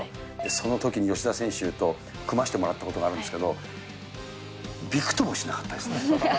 そのときに吉田選手と組ましてもらったことがあるんですけど、びくともしなかったですね。